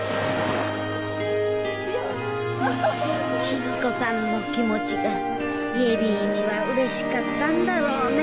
静子さんの気持ちが恵里にはうれしかったんだろうね。